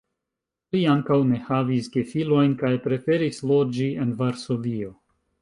Li ankaŭ ne havis gefilojn kaj preferis loĝi en Varsovio.